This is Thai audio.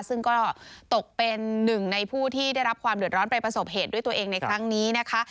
ซึ่งก็ตกเป็นหนึ่งในผู้ที่ได้รับความเดือดร้อนไปประสบเหตุด้วยตัวเองในครั้งนี้นะคะ